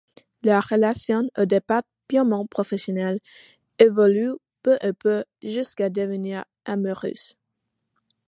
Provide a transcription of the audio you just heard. Leur relation, au départ purement professionnelle, évolue peu à peu jusqu'à devenir amoureuse.